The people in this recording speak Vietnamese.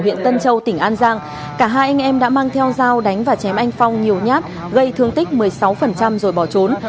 huyện tân châu tỉnh an giang cả hai anh em đã mang theo dao đánh và chém anh phong nhiều nhát gây thương tích một mươi sáu rồi bỏ trốn